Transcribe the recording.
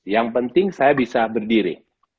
yang penting saya bisa berdiri